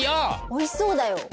おいしそうだよ！